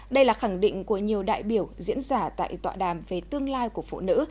đây là khẳng định của nhiều đại biểu diễn giả tại tọa đàm về tương lai của phụ nữ